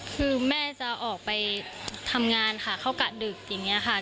คือแม่จะออกไปทำงานค่ะเข้ากะดึกอย่างนี้ค่ะ